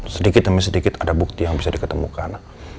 sedikit demi sedikit ada bukti yang bisa diketemukan